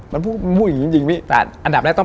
มันพูดมันพูดอย่างนี้จริง